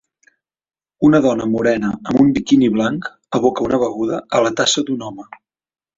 Una dona morena amb un biquini blanc aboca una beguda a la tassa d'un home.